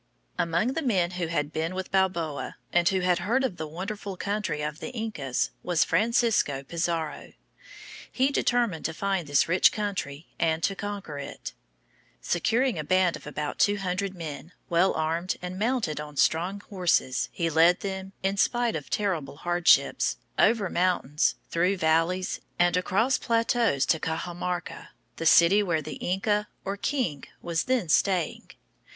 Among the men who had been with Balboa, and who had heard of the wonderful country of the Incas, was Francisco Pizarro. He determined to find this rich country and to conquer it. [Illustration: Francisco Pizarro.] Securing a band of about two hundred men, well armed and mounted on strong horses, he led them, in spite of terrible hardships, over mountains, through valleys, and across plateaus to Cajamarca, the city where the Inca, or king, was then staying.